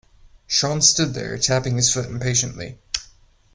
Sean stood there tapping his foot impatiently.